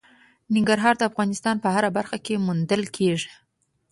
ننګرهار د افغانستان په هره برخه کې موندل کېږي.